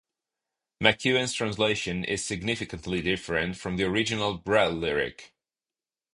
McKuen's translation is significantly different from the original Brel lyric.